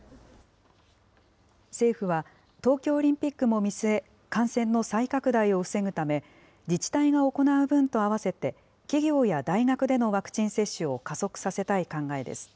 政府は、東京オリンピックも見据え、感染の再拡大を防ぐため、自治体が行う分と合わせて企業や大学でのワクチン接種を加速させたい考えです。